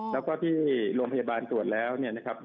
แล้วก็ที่โรงพยาบาลตรวจแล้วเนี่ยนะครับ